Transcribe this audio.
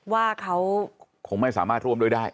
ว่าเขาคงไม่สามารถร่วมด้วยได้